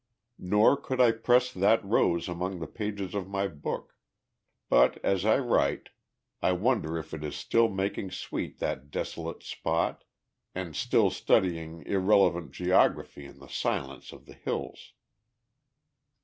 Nor could I press that rose among the pages of my book but, as I write, I wonder if it is still making sweet that desolate spot, and still studying irrelevant geography in the silence of the hills.